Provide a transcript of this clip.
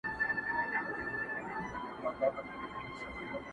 ما او ازل دواړو اورېدل چي توپان څه ویل.!